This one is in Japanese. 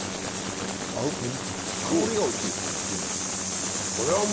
香りがおいしいですよ